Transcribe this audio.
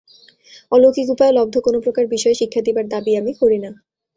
অলৌকিক উপায়ে লব্ধ কোনপ্রকার বিষয় শিক্ষা দিবার দাবী আমি করি না।